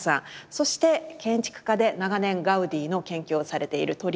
そして建築家で長年ガウディの研究をされている鳥居徳敏さんです。